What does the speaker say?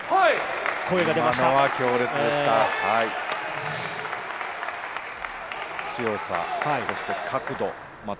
声が出ました。